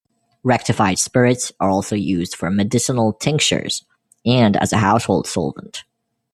Rectified spirits are also used for medicinal tinctures, and as a household solvent.